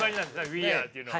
「ウィーアー」っていうのは。